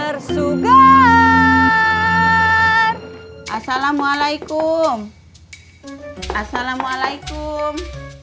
bersegar assalamualaikum assalamualaikum